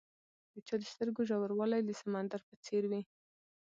د چا د سترګو ژوروالی د سمندر په څېر وي.